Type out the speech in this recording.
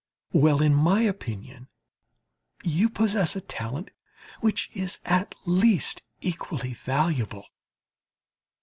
Well, in my opinion, you possess a talent which is, at least, equally valuable.